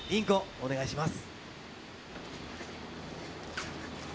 お願いします。